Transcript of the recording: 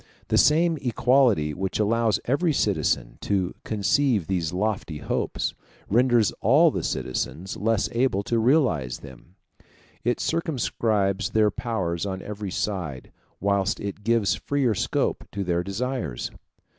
The same equality which allows every citizen to conceive these lofty hopes, renders all the citizens less able to realize them: it circumscribes their powers on every side, whilst it gives freer scope to their desires.